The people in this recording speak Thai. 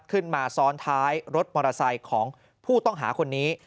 ขึ้นมาซ้อนท้ายรถมอเตอร์ไซค์ของผู้ต้องหาคนนี้